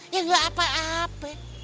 ya gak apa apa